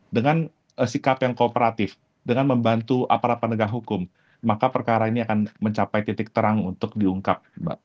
dengan sikap yang kooperatif dengan membantu aparat penegak hukum maka perkara ini akan mencapai titik terang untuk diungkap